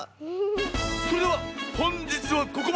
それではほんじつはここまで。